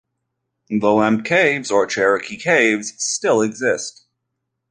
The Lemp caves or Cherokee caves still exist.